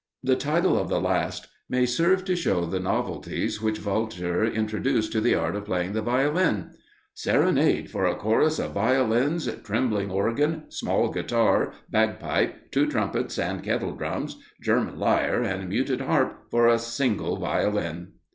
The title of the last may serve to show the novelties which Walther introduced to the art of playing the Violin: "Serenade for a chorus of Violins, Trembling Organ, small Guitar, Bagpipe, two Trumpets and Kettle Drums, German Lyre, and Muted Harp, for a single Violin."